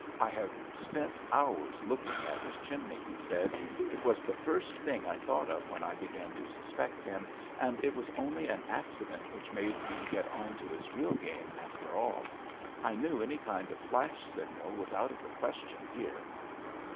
"I have spent hours looking at his chimney," he said. "It was the first thing I thought of when I began to suspect him, and it was only an accident which made me get on to his real game after all. I knew any kind of flash signal was out of the question here."